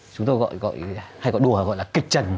chúng tôi gọi gọi hay gọi đùa gọi là kịch trần